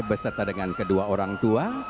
beserta dengan kedua orang tua